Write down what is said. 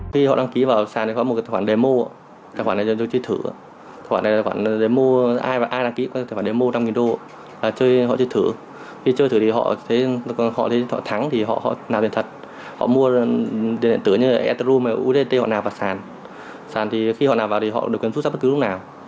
khi họ vào sàn họ được kiếm xuất giáp bất cứ lúc nào